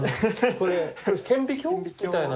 これ顕微鏡？みたいな。